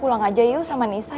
pulang aja yuk sama nisa